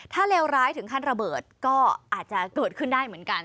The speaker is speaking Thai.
ถ้าเลวร้ายถึงขั้นระเบิดก็อาจจะเกิดขึ้นได้เหมือนกัน